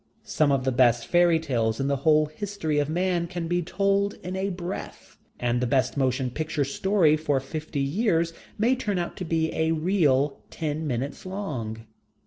Some of the best fairy tales in the whole history of man can be told in a breath. And the best motion picture story for fifty years may turn out to be a reel ten minutes long.